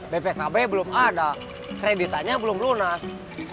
bpkb belum ada kreditannya belum lunas